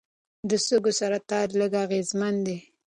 د سږو سرطان لږ اغېزمن دی.